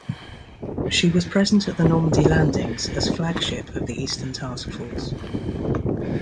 She was present at the Normandy landings as flagship of the Eastern Task Force.